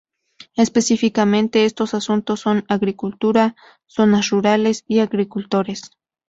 Específicamente, estos asuntos son: Agricultura, zonas rurales y agricultores.